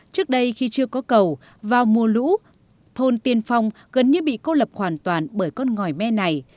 trước đây khi chưa có cầu vào mùa lũ thôn tiên phong gần như bị cô lập hoàn toàn bởi con ngòi me này